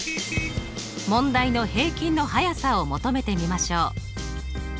問題の平均の速さを求めてみましょう。